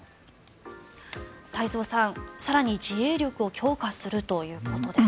太蔵さん、更に自衛力を強化するということです。